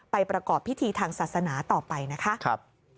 ประกอบพิธีทางศาสนาต่อไปนะคะ